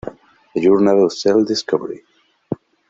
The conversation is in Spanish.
A Journal of Self-Discovery".